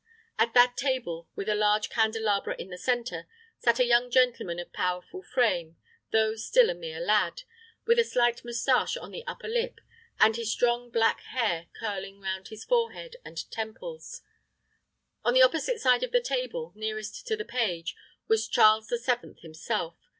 At that table, with a large candelabra in the centre, sat a young gentleman of powerful frame, though still a mere lad, with a slight mustache on the upper lip, and his strong black hair curling round his forehead and temples. On the opposite side of the table, nearest to the page, was Charles the Seventh himself.